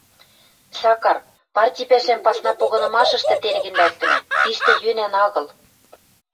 — Сакар, парти пӓшӓм пасна погынымашышты терген лӓктӹнӓ, тиштӹ йӧнӓн агыл.